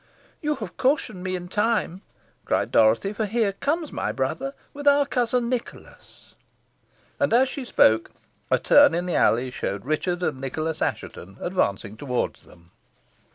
"You have cautioned me in time," cried Dorothy, "for here comes my brother with our cousin Nicholas." And as she spoke a turn in the alley showed Richard and Nicholas Assheton advancing towards them.